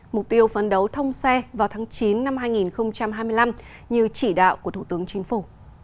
mục tiêu phấn đấu thông xe vào tháng chín năm hai nghìn hai mươi năm như chỉ đạo của thủ tướng chính phủ